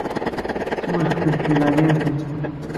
Ḥessemt-d di leɛnaya-nkent.